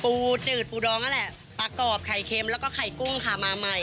จืดปูดองนั่นแหละปลากรอบไข่เค็มแล้วก็ไข่กุ้งค่ะมาใหม่